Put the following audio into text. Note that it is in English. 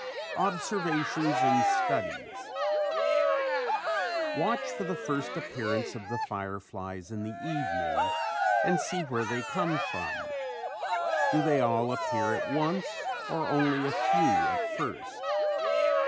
OBSERVATIONS AND STUDIES Watch for the first appearance of the fireflies in the evening and see where they come from. Do they all appear at once or only a few at first?